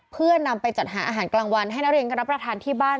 เพื่อนำไปจัดหาอาหารกลางวันให้นักเรียนก็รับประทานที่บ้าน